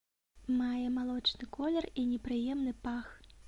Мае малочны колер і непрыемны пах.